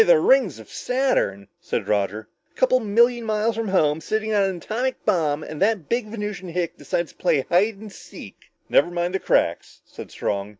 "By the rings of Saturn," said Roger, "a coupla million miles from home, sitting on an atomic bomb and that big Venusian hick decides to play hide and seek!" "Never mind the cracks," said Strong.